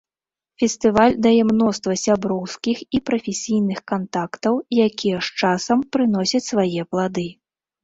Фестываль дае мноства сяброўскіх і прафесійных кантактаў, якія з часам прыносяць свае плады.